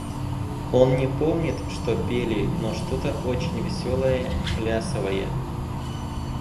Он не помнит, что пели, но что-то очень веселое, плясовое.